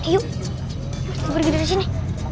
yuk pergi dari sini